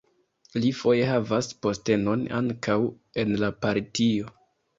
Li foje havas postenon ankaŭ en la partio.